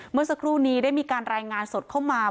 เมื่อสักครู่นี้ได้มีการรายงานสดเข้ามา